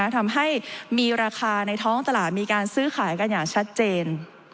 ทำให้มีราคาในท้องตลาดมีการซื้อขายกันอย่างชัดเจน